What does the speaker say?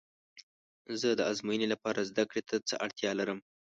زه د ازموینې لپاره زده کړې ته څه اړتیا لرم؟